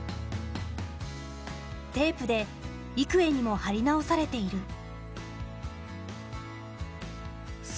テープで幾重にも貼り直されている。